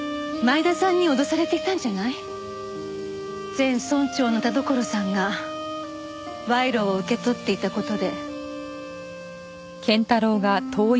前村長の田所さんが賄賂を受け取っていた事で。